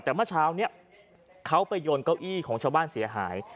แต่เมื่อเช้านี้เขาไปโยนเก้าอี้ของชาวบ้านเสียหาย